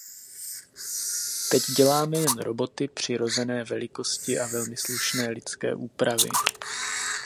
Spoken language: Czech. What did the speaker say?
Teď děláme jen roboty přirozené velikosti a velmi slušné lidské úpravy.